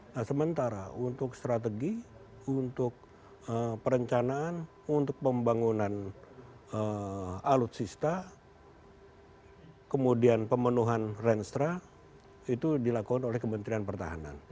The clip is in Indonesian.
nah sementara untuk strategi untuk perencanaan untuk pembangunan alutsista kemudian pemenuhan renstra itu dilakukan oleh kementerian pertahanan